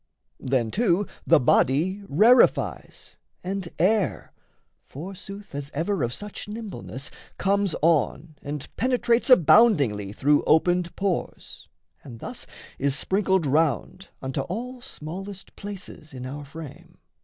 Then too the body rarefies, and air, Forsooth as ever of such nimbleness, Comes on and penetrates aboundingly Through opened pores, and thus is sprinkled round Unto all smallest places in our frame.